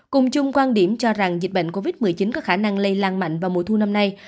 cùng chung quan điểm cho rằng dịch bệnh covid một mươi chín có khả năng lây lan mạnh vào mùa thu năm nay